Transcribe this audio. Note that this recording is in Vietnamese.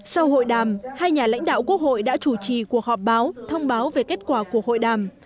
sau hội đàm hai nhà lãnh đạo quốc hội đã chủ trì cuộc họp báo thông báo về kết quả cuộc hội đàm